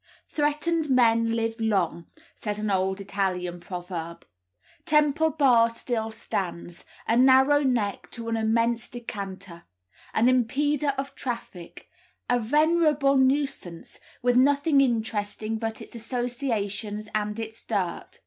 "Threatened men live long," says an old Italian proverb. Temple Bar still stands a narrow neck to an immense decanter; an impeder of traffic, a venerable nuisance, with nothing interesting but its associations and its dirt.